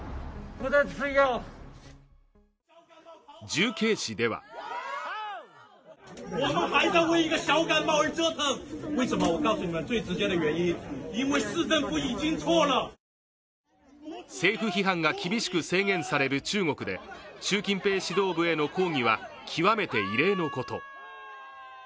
重慶市では政府批判が厳しく制限される中国で習近平指導部への抗議は極めて異例のこと。